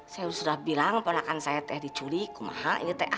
saya sudah bilang pernahkan saya teh diculik kumaha ini teh